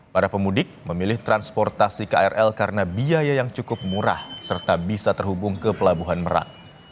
para pemudik memilih transportasi krl karena biaya yang cukup murah serta bisa terhubung ke pelabuhan merak